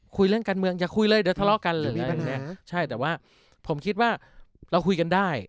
คุยเรื่องการเมืองอย่าคุยเลยเดี๋ยวทะเลาะกันอะไรอย่างนี้ใช่แต่ว่าผมคิดว่าเราคุยกันได้